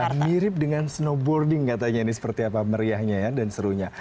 mirip dengan snowboarding katanya ini seperti apa meriahnya ya dan serunya